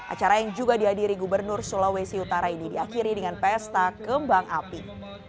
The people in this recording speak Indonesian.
acara yang juga dihadiri gubernur sulawesi utara ini diakhiri dengan pesta kembang api